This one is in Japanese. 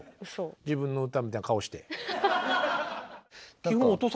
自分の歌みたいな顔して。